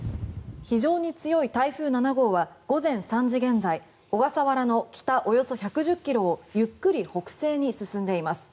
非常に強い台風７号は午前３時現在小笠原の北およそ１１０ｋｍをゆっくり北西に進んでいます。